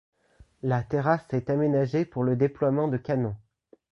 La terrasse est aménagée pour le déploiement de canons.